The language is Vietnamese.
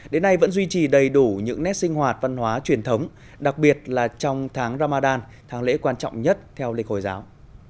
đến nay vẫn duy trì đầy đủ những nét sinh hoạt văn hóa truyền thống đặc biệt là trong tháng ramadan tháng lễ quan trọng nhất theo lịch hồi giáo